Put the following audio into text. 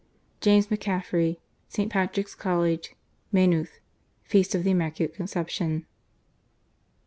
James MacCaffrey. St. Patrick's College, Maynooth, Feast of the Immaculate Conception.